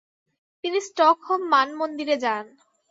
তিনি স্টকহোম মানমন্দির এ যান।